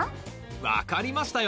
分かりましたよ！